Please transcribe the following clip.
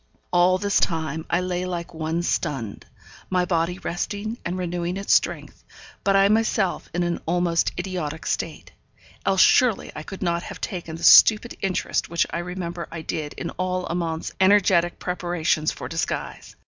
All this time I lay like one stunned; my body resting, and renewing its strength, but I myself in an almost idiotic state else surely I could not have taken the stupid interest which I remember I did in all Amante's energetic preparations for disguise.